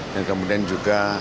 dan kemudian juga